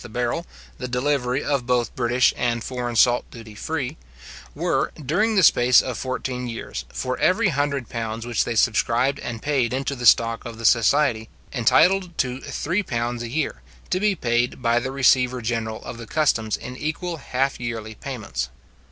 the barrel, the delivery of both British and foreign salt duty free) were, during the space of fourteen years, for every hundred pounds which they subscribed and paid into the stock of the society, entitled to three pounds a year, to be paid by the receiver general of the customs in equal half yearly payments.